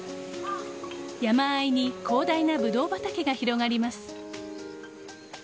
山間に広大なブドウ畑が広がります。